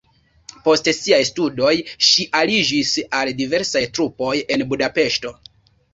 Post siaj studoj ŝi aliĝis al diversaj trupoj en Budapeŝto.